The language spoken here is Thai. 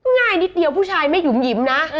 ง่ายนิดเดียวผู้ชายไม่หยุมหยิมนะ